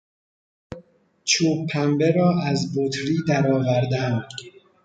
چوب پنبه را از بطری درآوردن